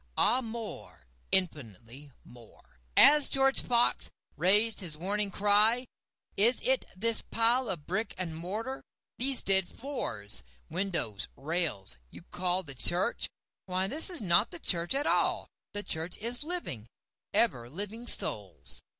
Ah more—infinitely more;(As George Fox rais'd his warning cry, "Is it this pile of brick and mortar—these dead floors, windows, rails—you call the church? Why this is not the church at all—the Church is living, ever living Souls.")